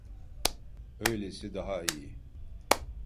Öylesi daha iyi.